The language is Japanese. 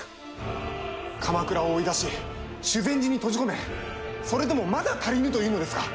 鎌倉を追い出し修善寺に閉じ込めそれでもまだ足りぬというのですか。